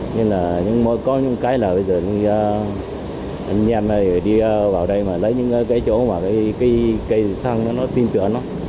nhưng mà có những cái là bây giờ anh em đi vào đây mà lấy những cái chỗ mà cây xăng nó tin tưởng nó